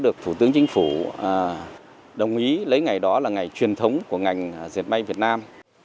những chính phủ đồng ý lấy ngày đó là ngày truyền thống của ngành dệt bay việt nam